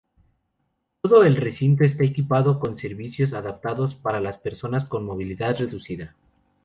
Todo el recinto, está equipado con servicios adaptados para las personas con movilidad reducida.